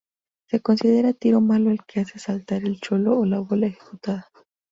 Se considera tiro malo el que hace saltar el cholo o la bola ejecutada.